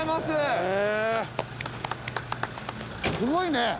すごいね！